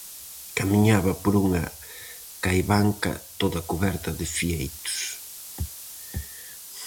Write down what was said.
Camiñaba por unha caivanca toda cuberta de fieitos.